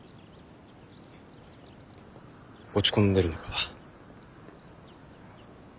落ち込んでるのか？